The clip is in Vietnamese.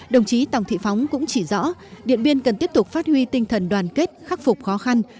đồng chí tòng thị phóng cũng chỉ rõ điện biên cần tiếp tục phát huy tinh thần đoàn kết khắc phục khó khăn